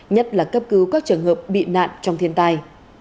nhất là cấp cứu các trường hợp bị nạn trong thiên tai